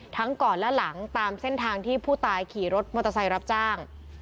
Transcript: ก่อนและหลังตามเส้นทางที่ผู้ตายขี่รถมอเตอร์ไซค์รับจ้าง